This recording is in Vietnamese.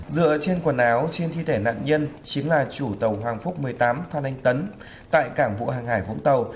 dựa trên quần áo trên thi thể nạn nhân chính là chủ tàu hoàng phúc một mươi tám phan anh tấn tại cảng vụ hàng hải vũng tàu